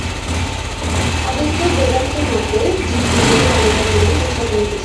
অদ্বৈত বেদান্তমতে জীব নিজেকে জানিবার জন্য চেষ্টা করিতেছে।